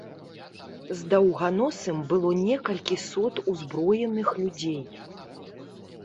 З даўганосым было некалькі сот узброеных людзей.